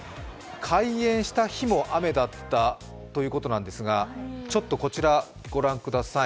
開園した日も雨だったということですがこちら、ご覧ください。